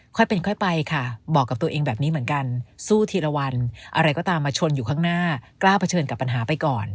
ค่อยเป็นค่อยไปค่ะบอกกับตัวเองแบบนี้เหมือนกันสู้ทีละวันอะไรก็ตามมาชนอยู่ข้างหน้ากล้าเผชิญกับปัญหาไปก่อน